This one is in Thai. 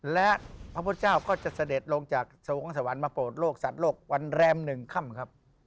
และพระพุทธเจ้าก็จะเสด็จลงจากสวงสวรรค์มาโปรดโลกสัตว์โลกวันแรม๑ค่ำครับ